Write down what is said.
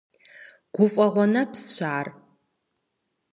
Гуфӏэгъу нэпсщ ар.